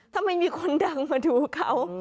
ทำไมมีคนดังมาดูเขา